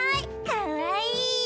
かわいい！